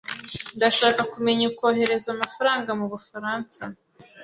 Ndashaka kumenya ukohereza amafaranga mubufaransa.